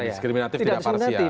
tidak diskriminatif tidak parsial